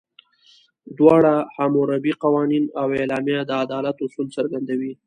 دواړه، حموربي قوانین او اعلامیه، د عدالت اصول څرګندوي.